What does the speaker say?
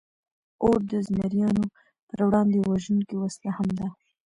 اور د زمریانو پر وړاندې وژونکې وسله هم ده.